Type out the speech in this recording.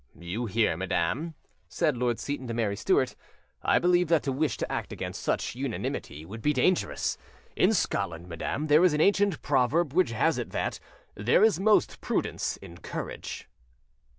"You hear, madam?" said Lord Seyton to Mary Stuart: "I believe that to wish to act against such unanimity would be dangerous. In Scotland, madam, there is an ancient proverb which has it that 'there is most prudence in courage.